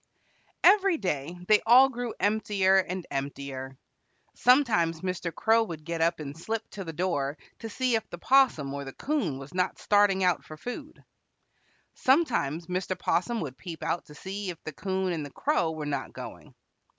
Every day they all grew emptier and emptier. Sometimes Mr. Crow would get up and slip to the door to see if the 'Possum or the 'Coon was not starting out for food. Sometimes Mr. 'Possum would peep out to see if the 'Coon and the Crow were not going.